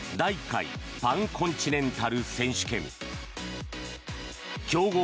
１回パンコンチネンタル選手権強豪